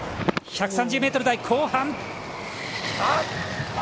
１３０ｍ台後半。